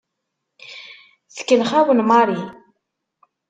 Tkellex-awen Mary.